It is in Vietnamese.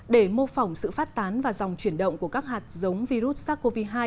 để mô phỏng sự phát tán và dòng chuyển động của các hạt giống virus sars cov hai